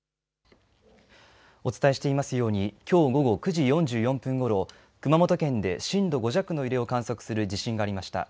お伝えしていますように、きょう午後９時４４分ごろ、熊本県で震度５弱の揺れを観測する地震がありました。